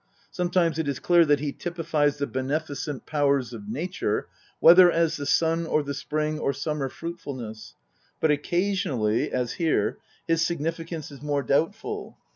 Sometimes it is clear that he typifies the beneficent powers of nature, whether as the sun or the spring or summer fruitful ness ; but occasionally, as here, his significance is more doubtful.